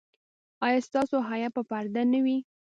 ایا ستاسو حیا به پرده نه وي؟